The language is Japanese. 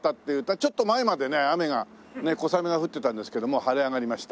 ちょっと前までね雨が小雨が降ってたんですけどもう晴れ上がりました。